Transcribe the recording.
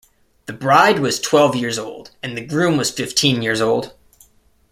The bride was twelve years old, and the groom was fifteen years old.